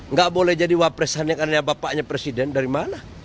nggak boleh jadi wapresannya karena bapaknya presiden dari mana